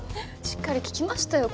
しっかり聞きましたよ